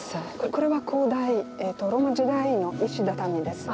これは古代ローマ時代の石畳です。